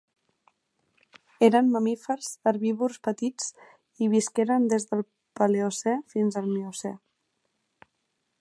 Eren mamífers herbívors petits i visqueren des del Paleocè fins al Miocè.